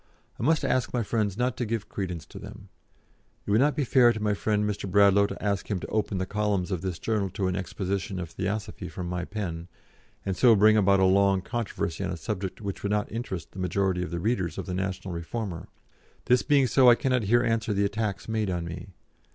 I must ask my friends not to give credence to them. It would not be fair to my friend Mr. Bradlaugh to ask him to open the columns of this Journal to an exposition of Theosophy from my pen, and so bring about a long controversy on a subject which would not interest the majority of the readers of the National Reformer. This being so I cannot here answer the attacks made on me.